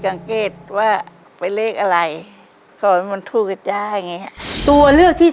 กังเกษว่าไปเลขอะไรเขามันถูกกับจ้าอย่างเงี้ยตัวเลือกที่